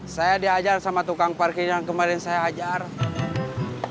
saya ditarik oleh tukang parkir yang saya tarik kemarin